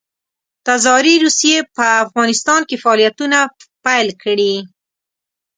تزاري روسیې په افغانستان کې فعالیتونه پیل کړي.